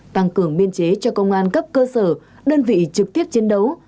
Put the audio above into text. tăng cường biên chế cho công an cấp cơ sở đơn vị trực tiếp chiến đấu